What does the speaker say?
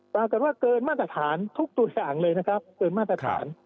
ปรากฏว่าเกินมาตรฐานทุกตัวอย่างเลยนะครับเกินมาตรฐาน